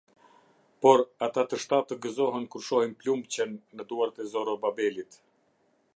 Por ata të shtatë gëzohen kur shohin plumbçen në duart e Zorobabelit.